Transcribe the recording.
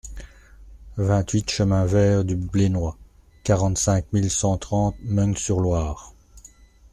vingt-huit chemin Vert du Blénois, quarante-cinq mille cent trente Meung-sur-Loire